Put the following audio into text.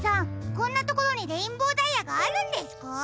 こんなところにレインボーダイヤがあるんですか？